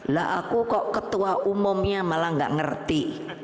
lah aku kok ketua umumnya malah gak ngerti